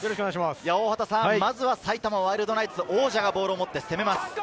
まずは埼玉ワイルドナイツ・王者がボールを持って攻めます。